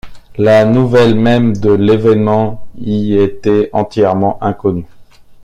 La nouvelle même de l’événement y était entièrement inconnue.